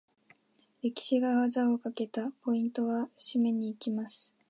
レシキが技をかけた！ポイントは？締めに行きます！